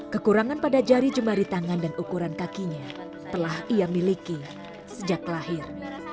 kekurangan pada jari jemari tangan dan ukuran kakinya telah ia miliki sejak lahir